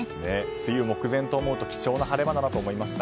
梅雨目前と思うと貴重な晴れ間だなと思いました。